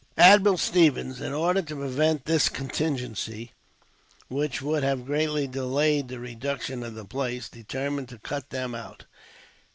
Admiral Stevens, in order to prevent this contingency, which would have greatly delayed the reduction of the place, determined to cut them out.